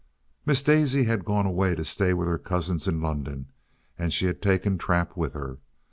Miss Daisy had gone away to stay with her cousins in London, and she had taken Trap with her.